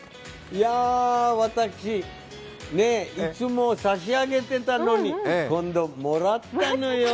私いつも差し上げてたのに今度もらったのよ